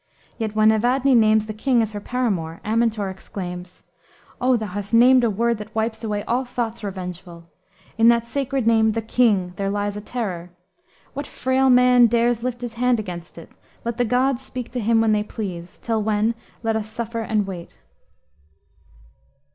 Yet when Evadne names the king as her paramour, Amintor exclaims: "O thou hast named a word that wipes away All thoughts revengeful. In that sacred name 'The king' there lies a terror. What frail man Dares lift his hand against it? Let the gods Speak to him when they please; till when, let us Suffer and wait."